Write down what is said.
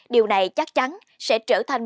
điều này chắc chắn sẽ trở thành